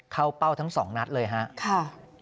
เข้าเป้าทั้งสองนัดเลยฮะ